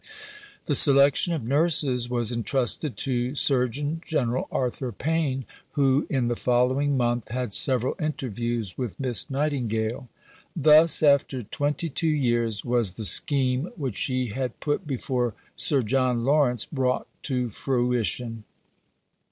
The selection of nurses was entrusted to Surgeon General Arthur Payne, who in the following month had several interviews with Miss Nightingale. Thus, after twenty two years, was the scheme which she had put before Sir John Lawrence brought to fruition.